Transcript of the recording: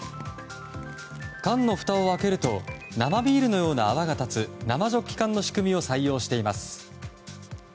缶のふたを開けると生ビールのような泡が立つ生ジョッキ缶の仕組みを採用しています。